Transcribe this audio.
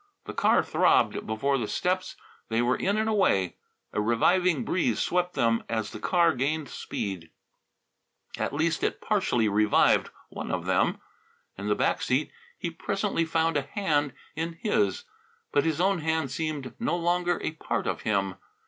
The car throbbed before the steps. They were in and away. A reviving breeze swept them as the car gained speed. At least it partially revived one of them. In the back seat he presently found a hand in his, but his own hand seemed no longer a part of him.